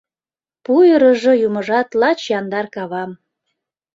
Пуйырыжо Юмыжат Лач яндар кавам.